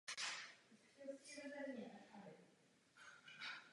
Navrhoval provést expedici k pólu a projít do těchto vnitřních světů.